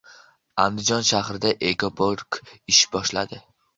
Andijon shahrida ekopark ish boshladi